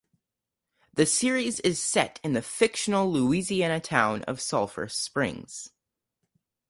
The series is set in the fictional Louisiana town of Sulphur Springs.